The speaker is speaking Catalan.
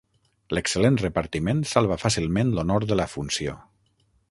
L'excel·lent repartiment salva fàcilment l'honor de la funció.